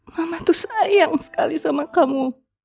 mama tuh sayang sekali sama kamu